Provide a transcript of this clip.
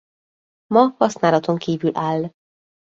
Ma használaton kívül áll.